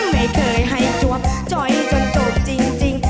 ไม่เคยให้จวบจอยจนจบจริง